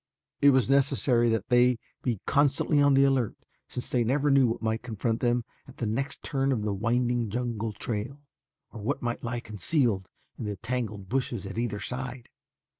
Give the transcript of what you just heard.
It was necessary that they be constantly on the alert since they never knew what might confront them at the next turn of the winding jungle trail or what might lie concealed in the tangled bushes at either side.